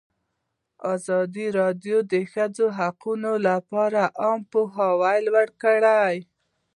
ازادي راډیو د د ښځو حقونه لپاره عامه پوهاوي لوړ کړی.